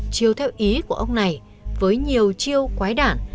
chiều theo ý của ông này với nhiều chiêu quái đản